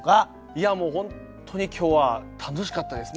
いやもう本当に今日は楽しかったです。